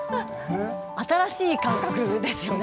新しい感覚ですよね。